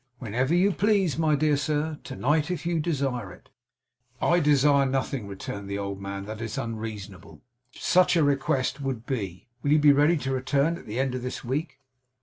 'Whenever you please, my dear sir. To night if you desire it.' 'I desire nothing,' returned the old man, 'that is unreasonable. Such a request would be. Will you be ready to return at the end of this week?